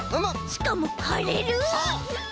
しかもはれる！